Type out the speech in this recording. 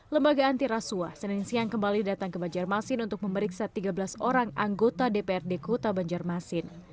lembaga antirasuah senin siang kembali datang ke banjarmasin untuk memeriksa tiga belas orang anggota dprd kota banjarmasin